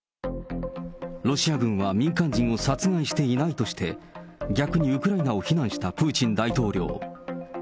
ロシア軍は民間人を殺害していないとして、逆にウクライナを非難したプーチン大統領。